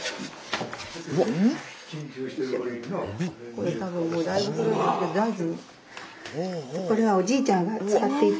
これ多分もうだいぶ古いんですけど大事に。